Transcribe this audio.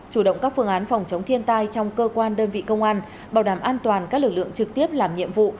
chủ động các phương án phòng chống thiên tai trong cơ quan đơn vị công an bảo đảm an toàn các lực lượng trực tiếp làm nhiệm vụ